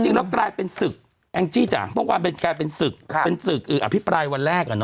จริงแล้วกลายเป็นศึกแองจี้จ่างเพราะว่ากลายเป็นศึกอภิปรายวันแรก